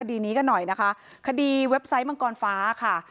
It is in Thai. คดีนี้กันหน่อยนะคะคดีเว็บไซต์มังกรฟ้าค่ะ